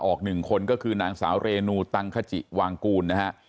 อีกหนึ่งคนก็คือนางสาวเรนูตังคจิวางกูลนะฮะ